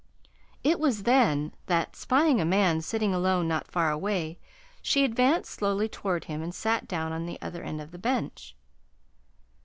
It was then that, spying a man sitting alone not far away, she advanced slowly toward him and sat down on the other end of the bench.